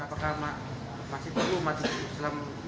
apakah masih perlu matri islam